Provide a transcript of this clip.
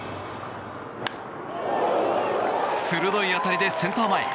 鋭い当たりでセンター前！